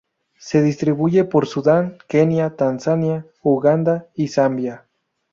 Se distribuye por Sudán, Kenia, Tanzania, Uganda y Zambia.